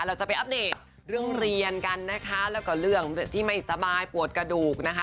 เราจะไปอัปเดตเรื่องเรียนกันนะคะแล้วก็เรื่องที่ไม่สบายปวดกระดูกนะคะ